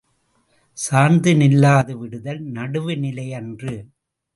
சார்ந்து நில்லாது விடுதல் நடுவுநிலையன்று.